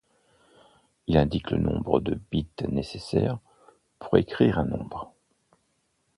Il indique le nombre de bits nécessaires pour écrire un nombre.